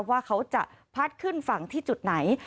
ว่าเขาจะพัดขึ้นฝั่งที่จุดไหน